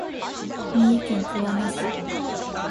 三重県桑名市